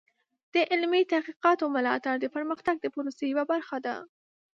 د علمي تحقیقاتو ملاتړ د پرمختګ د پروسې یوه برخه ده.